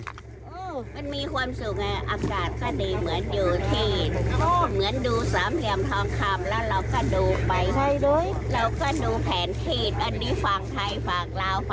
มันมีความสุขอากาศก็ดีเหมือนอยู่ทีนเหมือนดูสามเหลี่ยมทองคำแล้วเราก็ดูไป